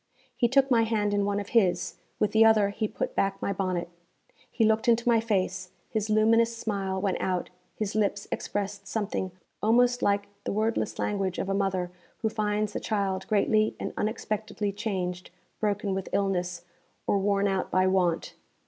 He took my hand in one of his; with the other he put back my bonnet. He looked into my face, his luminous smile went out, his lips expressed something almost like the wordless language of a mother who finds a child greatly and unexpectedly changed, broken with illness, or worn out by want.